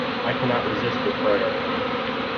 I cannot resist your prayer.